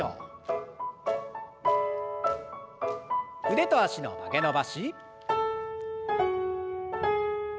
腕と脚の曲げ伸ばし。